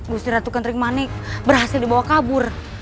gusir ratu kenteri manik berhasil dibawa kabur